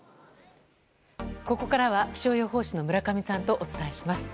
ここからは気象予報士の村上さんとお伝えします。